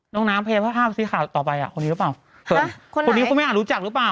น้องน้ำเพพาะภาพสิทธิ์ข่าวต่อไปอ่ะคนนี้หรือเปล่า